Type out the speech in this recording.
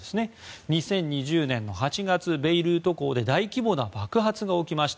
２０２０年の８月ベイルート港で大規模な爆発が起きました。